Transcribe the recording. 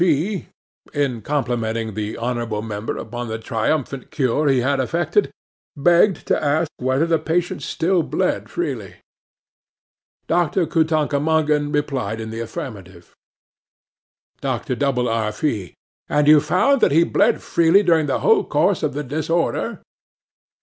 FEE, in complimenting the honourable member upon the triumphant cure he had effected, begged to ask whether the patient still bled freely? 'DR. KUTANKUMAGEN replied in the affirmative. 'DR. W. R. FEE.—And you found that he bled freely during the whole course of the disorder?